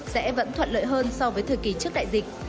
sẽ vẫn thuận lợi hơn so với thời kỳ trước đại dịch